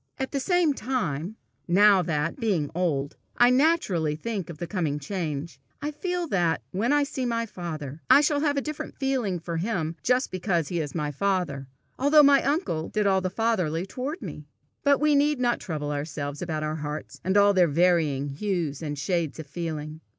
At the same time, now that, being old, I naturally think of the coming change, I feel that, when I see my father, I shall have a different feeling for him just because he is my father, although my uncle did all the fatherly toward me. But we need not trouble ourselves about our hearts, and all their varying hues and shades of feeling.